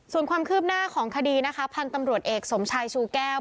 ส่วนความคืบหน้าของคดีนะคะพันธุ์ตำรวจเอกสมชายชูแก้ว